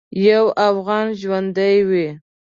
یو افغان ژوندی وي.